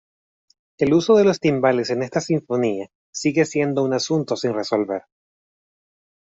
El uso de los timbales en esta sinfonía sigue siendo un asunto sin resolver.